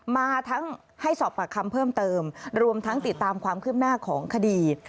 มาทั้งให้สอบปากคำเพิ่มเติมรวมทั้งติดตามความคืบหน้าของคดี